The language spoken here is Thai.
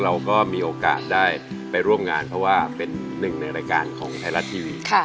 เราก็มีโอกาสได้ไปร่วมงานเพราะว่าเป็นหนึ่งในรายการของไทยรัฐทีวี